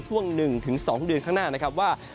ช่วง๑๒เดือนข้างหน้านะครับว่า